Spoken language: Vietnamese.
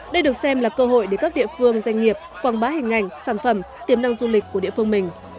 đây được xem là cơ hội để các địa phương doanh nghiệp quảng bá hình ảnh sản phẩm tiềm năng du lịch của địa phương mình